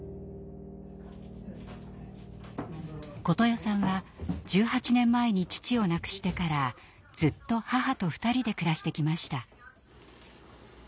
琴世さんは１８年前に父を亡くしてからずっと母と２人で暮らしてきました。